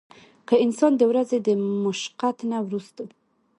کۀ انسان د ورځې د مشقت نه وروستو